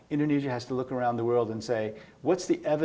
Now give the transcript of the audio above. indonesia harus bergerak ke sini